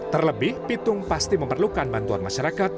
terlebih pitung pasti memerlukan bantuan masyarakat